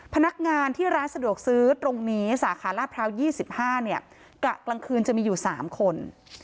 พนักงานที่ร้านสะดวกซื้อตรงนี้สาขาราชพร้าว๒๕เนี่ยกะกลางคืนจะมีอยู่๓คน